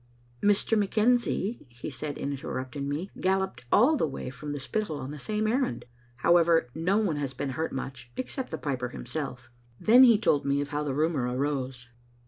"Mr. McKenzie,"hesaid, interrupting me, "galloped all the way from the Spittal on the same errand. How ever, no one has been hurt much, except the piper him self." Then he told me how the rumor arose.